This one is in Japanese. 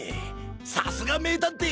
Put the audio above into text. さすが名探偵！